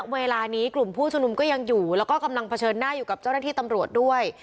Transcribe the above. เวลานี้กลุ่มผู้ชุมนุมก็ยังอยู่แล้วก็กำลังเผชิญหน้าอยู่กับเจ้าหน้าที่ตำรวจด้วย